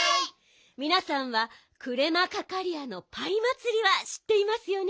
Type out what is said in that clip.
みなさんはクレマカカリアのパイまつりはしっていますよね？